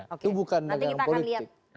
itu bukan dagangan politik